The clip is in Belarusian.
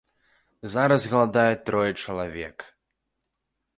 Зараз галадае трое чалавек.